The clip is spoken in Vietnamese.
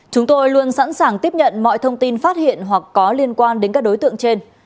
chúng tôi luôn sẵn sàng tiếp nhận mọi thông tin phát hiện hoặc có liên quan đến các đối tượng trên